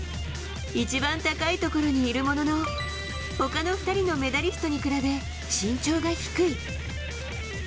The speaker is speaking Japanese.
一番高い所にいるものの、ほかの２人のメダリストに比べ、身長が低い。